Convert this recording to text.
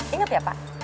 ingat ya pak